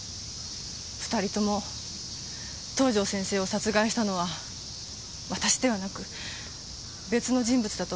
２人とも東条先生を殺害したのは私ではなく別の人物だと思っていました。